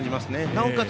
なおかつ